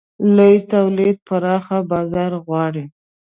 لوی تولید پراخه بازار غواړي.